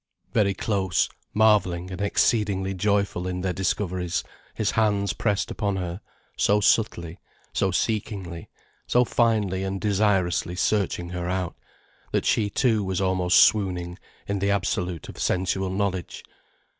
Very close, marvelling and exceedingly joyful in their discoveries, his hands pressed upon her, so subtly, so seekingly, so finely and desirously searching her out, that she too was almost swooning in the absolute of sensual knowledge.